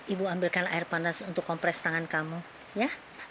ibu ambilkan air panas untuk kompres tangan kamu ya